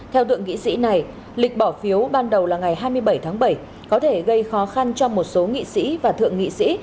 theo tượng nghị sĩ này lịch bỏ phiếu ban đầu là ngày hai mươi bảy tháng bảy có thể gây khó khăn cho một số nghị sĩ và thượng nghị sĩ